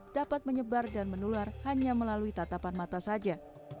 dapat menyebar dan menular hanya melalui tatapan mata saja